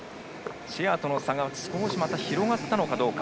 シェアとの差が少しまた広がったかどうか。